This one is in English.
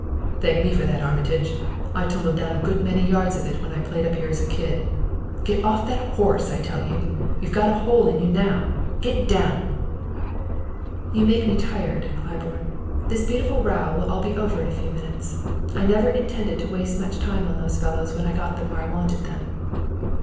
"Thank me for that, Armitage. I tumbled down a good many yards of it when I played up here as a kid. Get off that horse, I tell you! You've got a hole in you now! Get down!" "You make me tired, Claiborne. This beautiful row will all be over in a few minutes. I never intended to waste much time on those fellows when I got them where I wanted them."